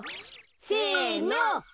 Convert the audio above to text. せの。